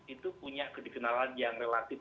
itu punya kedikenalan yang relatif